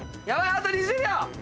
あと２０秒！